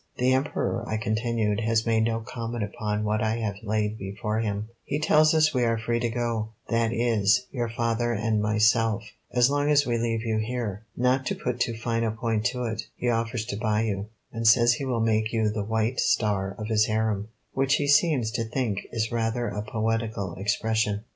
"The Emperor," I continued, "has made no comment upon what I have laid before him. He tells us we are free to go, that is, your father and myself, as long as we leave you here. Not to put too fine a point to it, he offers to buy you, and says he will make you the White Star of his harem, which he seems to think is rather a poetical expression."